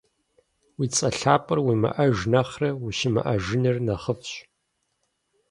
Уи цIэ лъапIэр уимыIэж нэхърэ ущымыIэжыныр нэхъыфIщ.